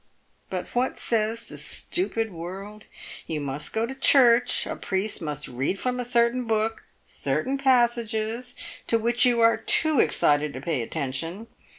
But what says the stupid world ? You must go to church, a priest must read from a certain book certain passages to which you are too excited to pay attention.